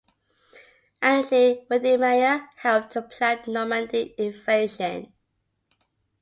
Additionally, Wedemeyer helped to plan the Normandy Invasion.